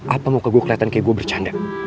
apa muka gue keliatan kayak gue bercanda